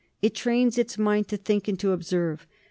It trains its mind to think and to observe.